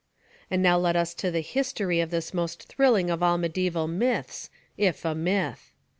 And now let us to the history of this most thrilling of all mediæval myths, if a myth.